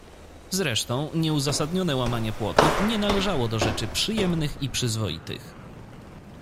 "Zresztą nieuzasadnione łamanie płotów nie należało do rzeczy przyjemnych i przyzwoitych."